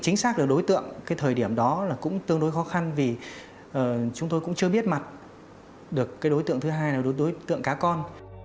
chính xác được đối tượng cái thời điểm đó là cũng tương đối khó khăn vì chúng tôi cũng chưa biết mặt được cái đối tượng thứ hai là đối tượng cá con